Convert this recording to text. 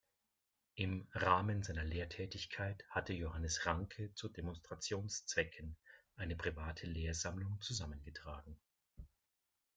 Im Rahmen seiner Lehrtätigkeit hatte Johannes Ranke zu Demonstrationszwecken eine private Lehrsammlung zusammengetragen.